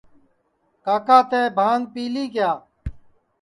کاکا تیں بھانٚگ پیلی کیا